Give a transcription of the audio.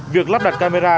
việc lắp đặt camera